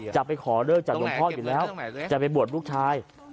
จะไปขอเลิกจากหลวงพ่ออยู่แล้วจะไปบวชลูกชาย